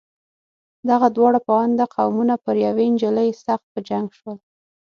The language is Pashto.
دغه دواړه پوونده قومونه پر یوې نجلۍ سخت په جنګ شول.